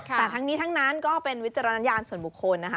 แต่ทั้งนี้ทั้งนั้นก็เป็นวิจารณญาณส่วนบุคคลนะคะ